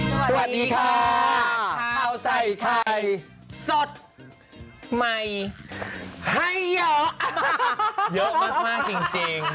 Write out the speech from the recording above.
สวัสดีค่ะข้าวใส่ไข่สดใหม่ให้เยอะมากจริง